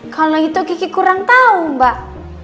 kalau itu kiki kurang tahu mbak